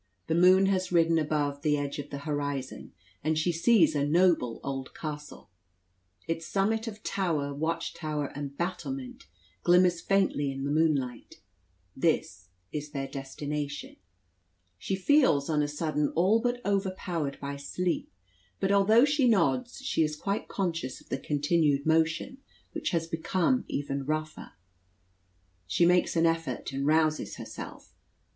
The moon has risen above the edge of the horizon, and she sees a noble old castle. Its summit of tower, watchtower and battlement, glimmers faintly in the moonlight. This is their destination. She feels on a sudden all but overpowered by sleep; but although she nods, she is quite conscious of the continued motion, which has become even rougher. She makes an effort, and rouses herself.